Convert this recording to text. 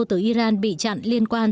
từ iran bị chặn liên quan